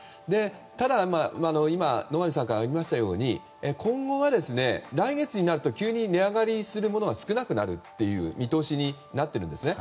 ただ、今、野上さんからありましたように今後は来月になると急に値上がりするものは少なくなるという見通しになっているんですね。